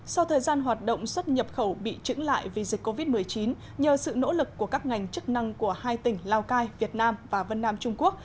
sau thời gian hoạt động xuất nhập khẩu bị trứng lại vì dịch covid một mươi chín nhờ sự nỗ lực của các ngành chức năng của hai tỉnh lào cai việt nam và vân nam trung quốc